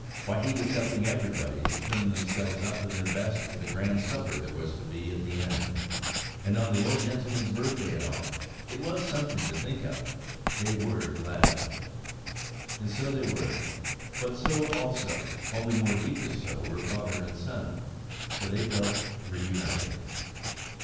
Why, he was helping everybody to trim themselves up in their best for the grand supper there was to be at the end. And on the old gentleman's birthday, and all! It was something to think of ! They were glad!" And so they were; but so also, only more deeply so, were father and son, for they felt reunited.